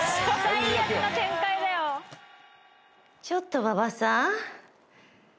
ちょっと馬場さん？